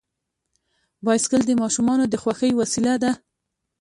بایسکل د ماشومانو د خوښۍ وسیله ده.